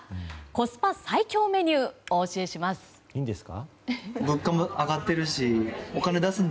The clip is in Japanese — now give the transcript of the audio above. コスパ最強メニューお教えします。